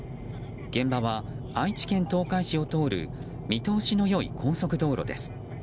現場は愛知県東海市を通る見通しの良い高速道路です。